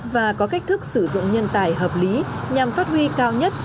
và có cách thức sử dụng nhân tài hợp lý nhằm phát huy cao nhất